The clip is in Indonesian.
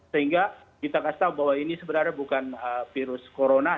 sehingga kita kasih tahu bahwa ini sebenarnya bukan virus corona